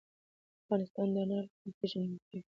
افغانستان د انار له مخې پېژندل کېږي.